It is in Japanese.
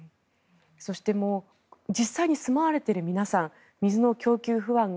そして実際に住まわれている皆さん水の供給不安